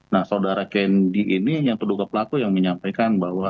nah saudara kendi ini yang terduga pelaku yang menyampaikan bahwa